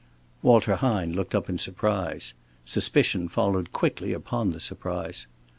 Walter Hine looked up in surprise. Suspicion followed quickly upon the surprise.